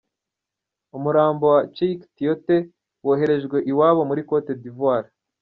Umurambo wa Cheick Tiote woherejwe iwabo muri Côte d'Ivoire.